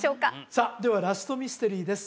さあではラストミステリーです